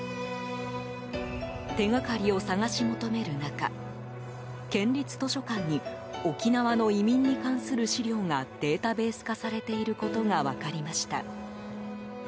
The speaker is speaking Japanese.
手がかりを探し求める中県立図書館に沖縄の移民に関する資料がデータベース化されていることが分かりました。